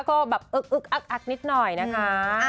ก็แบบอึ๊กอักนิดหน่อยนะคะ